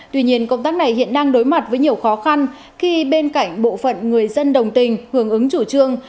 tuy nhiên công tác này hiện đang đối mặt với nhiều khó khăn khi bên cạnh bộ phận người dân đồng tình hưởng ứng chủ trương